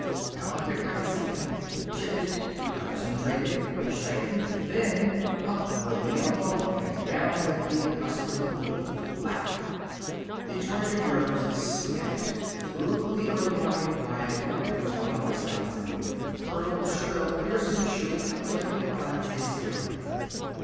Now he picked up the second, chipped it, concentrated, straightened, then up went the elbow, and down, with the accustomed little flap. The tortured nerves snapped. Through the early morning quiet of Wetona, Wisconsin, hurtled the shrill, piercing shriek of Terry Platt's hysteria.